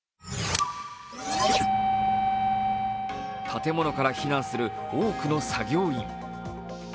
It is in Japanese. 建物から避難する多くの作業員。